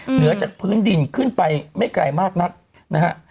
เหนือจากพื้นดินขึ้นไปไม่ไกลมากนักนะฮะ